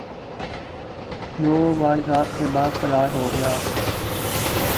جو واردات کے بعد فرار ہو گیا